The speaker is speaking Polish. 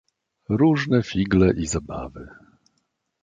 "Różne figle i zabawy."